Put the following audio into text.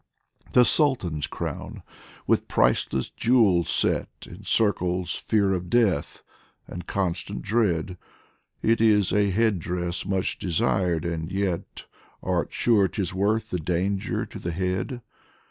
The Sultan's crown, with priceless jewels set, Encircles fear of death and constant dread ; It is a head dress much desired and yet Art sure 'tis worth the danger to the head